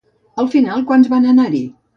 Al final quants van anar-hi?